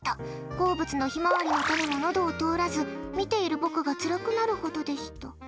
好物のヒマワリの種ものどを通らず見ている僕がつらくなるほどでした。